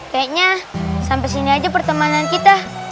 kayaknya sampai sini aja pertemanan kita